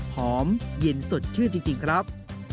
หอมเย็นสดชื่นจริงครับ